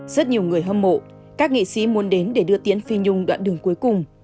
rất nhiều người hâm mộ các nghệ sĩ muốn đến để đưa tiễn phi nhung đoạn đường cuối cùng